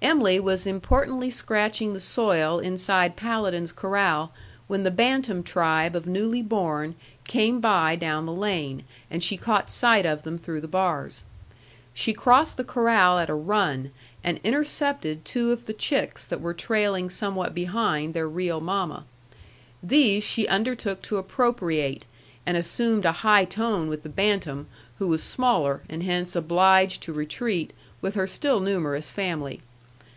Em'ly was importantly scratching the soil inside Paladin's corral when the bantam tribe of newly born came by down the lane, and she caught sight of them through the bars. She crossed the corral at a run, and intercepted two of the chicks that were trailing somewhat behind their real mamma. These she undertook to appropriate, and assumed a high tone with the bantam, who was the smaller, and hence obliged to retreat with her still numerous family.